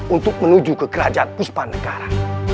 untuk menuju ke kerajaan puspanegara